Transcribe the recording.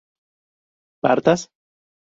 ¿partas?